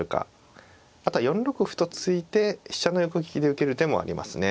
あとは４六歩と突いて飛車の横利きで受ける手もありますね。